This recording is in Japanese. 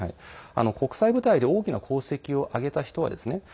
国際舞台で大きな功績を挙げた人はですね